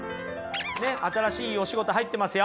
新しいお仕事入ってますよ。